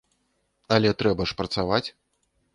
Але трэба ж працаваць!